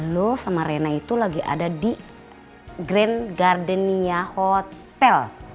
lo sama rena itu lagi ada di grand gardenia hotel